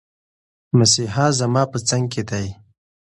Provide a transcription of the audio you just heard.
مسیحا زما په څنګ کې دی.